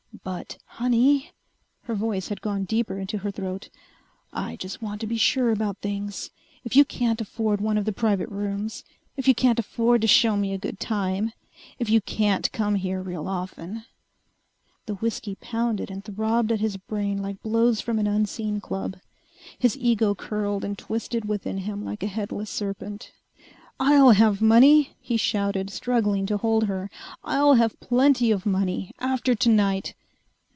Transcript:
"But, honey!" Her voice had gone deeper into her throat. "I just want to be sure about things. If you can't afford one of the private rooms if you can't afford to show me a good time if you can't come here real often ..." The whiskey pounded and throbbed at his brain like blows from an unseen club. His ego curled and twisted within him like a headless serpent. "I'll have money!" he shouted, struggling to hold her. "I'll have plenty of money! After tonight!"